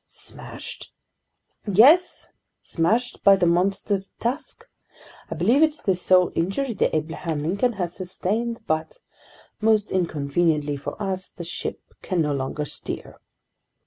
" "Smashed?" "Yes, smashed by the monster's tusk! I believe it's the sole injury the Abraham Lincoln has sustained. But most inconveniently for us, the ship can no longer steer."